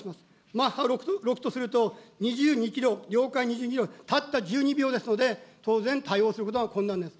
マッハ６とすると、２２キロ、領海２２キロ、たった１２秒ですので、当然、対応することは困難です。